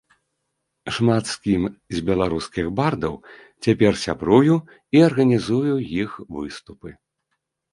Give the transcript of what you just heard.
Шмат з кім з беларускіх бардаў цяпер сябрую і арганізую іх выступы.